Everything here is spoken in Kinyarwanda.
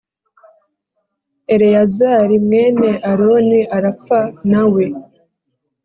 Eleyazari mwene Aroni arapfa na we